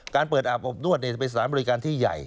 การเปิดอาบอบนวดจะเป็นสถานบริการที่ใหญ่